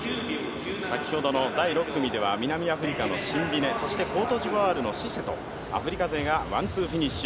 先ほどの第６組では南アフリカのシンビネ、コートジボワールのシセとアフリカ勢がワンツーフィニッシュ。